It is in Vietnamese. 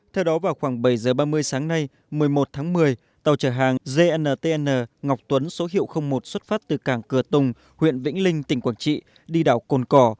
theo đó vào khoảng bảy h ba mươi sáng nay một mươi một tháng một mươi tàu chở hàng dntn ngọc tuấn số hiệu một xuất phát từ cảng cửa tùng huyện vĩnh linh tỉnh quảng trị đi đảo cồn cỏ